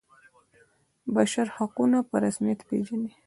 بشر حقونه په رسمیت پيژني.